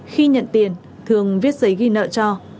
khi nhận tiền thường viết giấy ghi nợ cho